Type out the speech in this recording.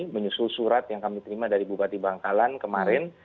menyusul surat yang kami terima dari bupati bangkalan kemarin